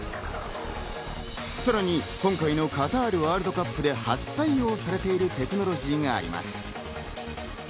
さらに今回のカタールワールドカップで初採用されているテクノロジーがあります。